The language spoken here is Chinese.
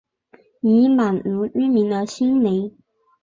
以满足居民的心灵